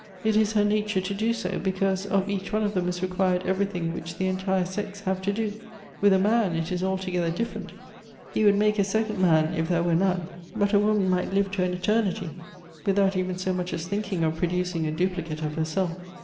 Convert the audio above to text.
It is her nature to do so ; because of each one of them is required every thing which the entire sex have to do. With a man it is altogether different. He would make a second man if 10 218 G O B T H E ' S there were none. But a woman might live to an eternity, without even so much as thinking of producing a dupli cate of herself."